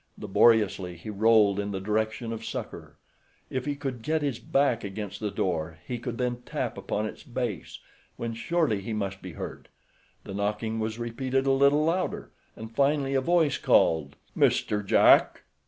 Laboriously he rolled in the direction of succor. If he could get his back against the door he could then tap upon its base, when surely he must be heard. The knocking was repeated a little louder, and finally a voice called: "Mr. Jack!"